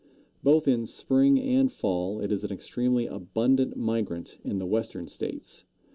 Both in spring and fall it is an extremely abundant migrant in the Western States.